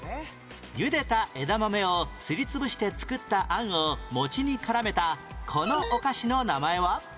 ゆでた枝豆をすり潰して作ったあんを餅に絡めたこのお菓子の名前は？